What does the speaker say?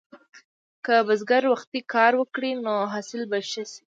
که بزګر وختي کر وکړي، نو حاصل به ښه شي.